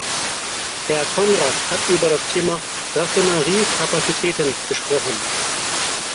Herr Konrad hat über das Thema Raffineriekapazitäten gesprochen.